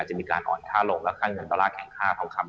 จะมีการอ่อนค่าลงแล้วค่าเงินดอลลาร์แข่งค่าทองคำ